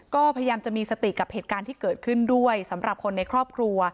ก็พยายามจะมีสติกับเหตุการณ์ที่เกิดขึ้นด้วยสำหรับคนในครอบครัว